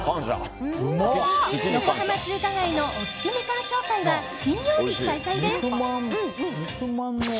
横浜中華街のお月見鑑賞会は金曜日開催です。